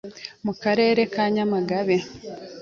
Mu karere ka Nyamagabe